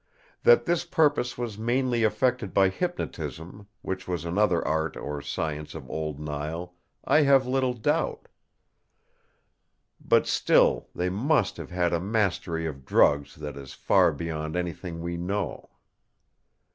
That this purpose was mainly effected by hypnotism, which was another art or science of Old Nile, I have little doubt. But still, they must have had a mastery of drugs that is far beyond anything we know.